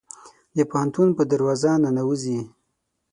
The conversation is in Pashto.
د پوهنتون په دروازه ننوزي